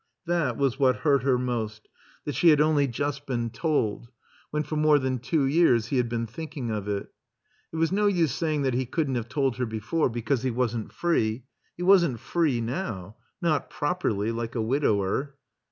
That was what hurt her most, that she had only just been told, when for more than two years he had been thinking of it. It was no use saying that he couldn't have told her before, because he wasn't free. He wasn't free now; not properly, like a widower.